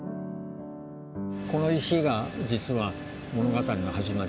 この石が実は物語の始まりで。